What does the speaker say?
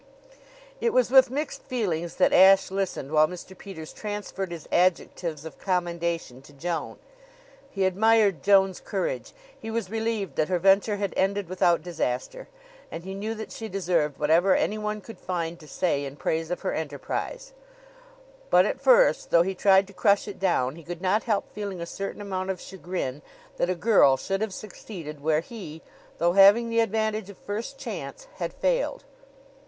It was with mixed feelings that Ashe listened while Mr. Peters transferred his adjectives of commendation to Joan. He admired Joan's courage, he was relieved that her venture had ended without disaster, and he knew that she deserved whatever anyone could find to say in praise of her enterprise: but, at first, though he tried to crush it down, he could not help feeling a certain amount of chagrin that a girl should have succeeded where he, though having the advantage of first chance, had failed.